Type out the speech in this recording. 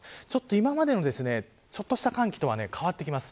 今までのちょっとした寒気とは変わってきます。